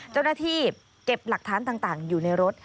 เจ้าหน้าที่เก็บหลักฐานต่างอยู่ในรถ